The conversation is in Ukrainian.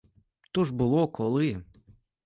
То ж було коли!